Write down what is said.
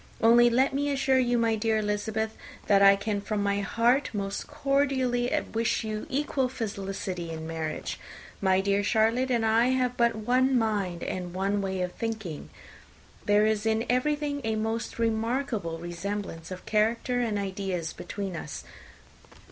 Only let me assure you, my dear Miss Elizabeth, that I can from my heart most cordially wish you equal felicity in marriage. My dear Charlotte and I have but one mind and one way of thinking. There is in everything a most remarkable resemblance of character and ideas between us.